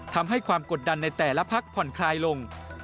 ทำให้ความกดดันในแต่ละพักผ่อนคลายลง